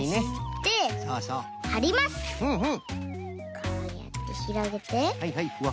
こうやってひろげてペタッと！